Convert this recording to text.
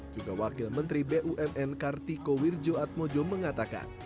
juga wakil menteri bumn kartiko wirjo atmojo mengatakan